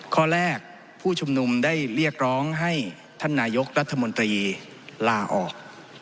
ข้อแรกผู้ชุมนุมได้เรียกร้องให้ท่านนายกรัฐมนตรีลาออก